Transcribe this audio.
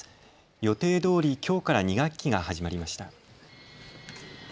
予定どおり、きょうから２学期が始まりました。